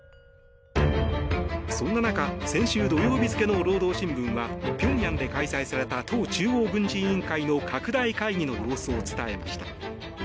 そんな中、先週土曜日付の労働新聞はピョンヤンで開催された党中央軍事委員会の拡大会議の様子を伝えました。